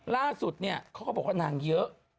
ล่าสุดเนี่ยเขาก็บอกว่านางเยอะ